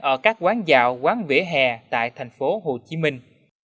ở các quán dạo quán vỉa hè tại thành phố hồ chí minh